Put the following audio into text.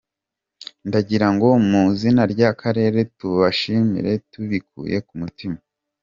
Ndagira ngo mu izina ry’Akarere tubashimire tubikuye ku mutima.